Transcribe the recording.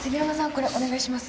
これお願いします。